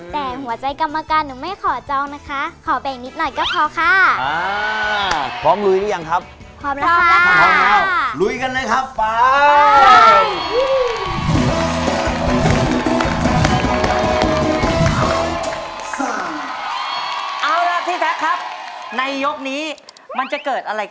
แต่หัวใจกรรมการหนูไม่ขอจองนะคะ